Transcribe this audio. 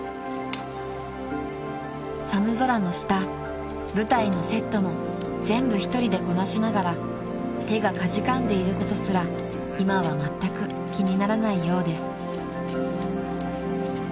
［寒空の下舞台のセットも全部一人でこなしながら手がかじかんでいることすら今はまったく気にならないようです］